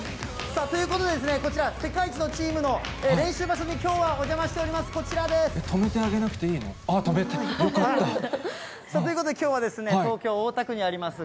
さあ、ということでですね、こちら、世界一のチームの練習場所にきょうはお邪魔しております、止めてあげなくていいの？ということで、きょうはですね、東京・大田区にあります